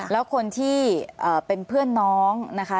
แล้วคนที่เป็นเพื่อนน้องนะคะ